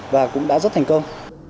và cũng đã rất thành công